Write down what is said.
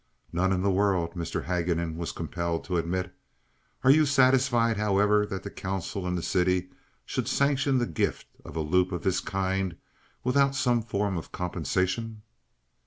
"None in the world," Mr. Haguenin was compelled to admit. "Are you satisfied, however, that the council and the city should sanction the gift of a loop of this kind without some form of compensation?"